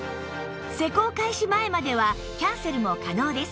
施工開始前まではキャンセルも可能です